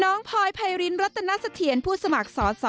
พลอยไพรินรัตนสะเทียนผู้สมัครสอสอ